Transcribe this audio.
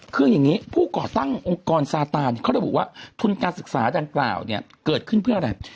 คืออย่างนี้ผู้ก่อตั้งองค์กรซาตานเขาระบุว่าทุนการศึกษาดังกล่าวเนี่ยเกิดขึ้นเพื่ออะไร